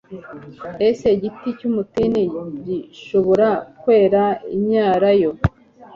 ese igiti cy'umutini gishobora kwera imyelayo